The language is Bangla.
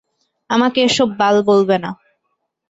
আমাকে এসব বাল বলবে না।